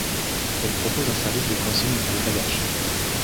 Elle propose un service de consigne pour les bagages.